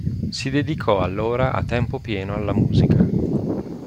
Si dedicò allora a tempo pieno alla musica.